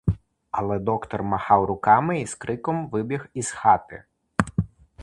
Але доктор махав руками і з криком вибіг із хати.